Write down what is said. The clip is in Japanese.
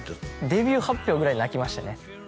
デビュー発表ぐらい泣きましたね